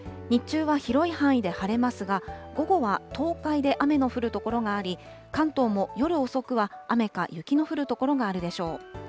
日中は広い範囲で晴れますが、午後は東海で雨の降る所があり、関東も夜遅くは雨か雪の降る所があるでしょう。